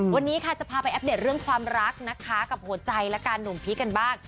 วันนี้ค่ะจะพาไปอัปเดตเรื่องความรักนะคะกับหัวใจและการหนุ่มพีคกันบ้าง